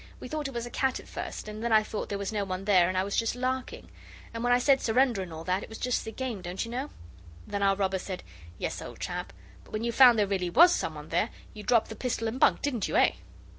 We thought it was a cat at first, and then I thought there was no one there, and I was just larking. And when I said surrender and all that, it was just the game, don't you know?' Then our robber said, 'Yes, old chap; but when you found there really was someone there, you dropped the pistol and bunked, didn't you, eh?